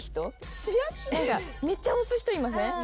めっちゃ押す人いません？